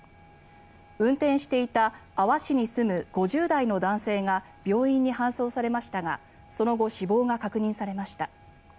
運転していた阿波市に住む５０代の男性が病院に搬送されましたがその後、死亡が確認されました。